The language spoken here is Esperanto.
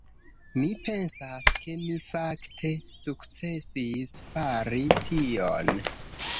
Mi pensas ke mi fakte sukcesis fari tion.